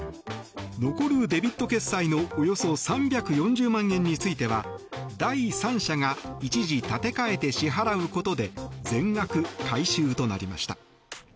残るデビット決済のおよそ３４０万円については第三者が一時、立て替えて支払うことで全額回収となりました。